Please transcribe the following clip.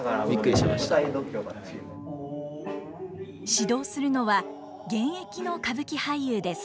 指導するのは現役の歌舞伎俳優です。